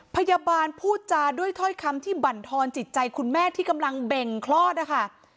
พยาบาลพูดจาด้วยถ้อยคำที่บั่นทอนจิตใจคุณแม่ที่กำลังเบ่งคลอดนะคะ